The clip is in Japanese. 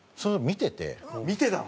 見てたの？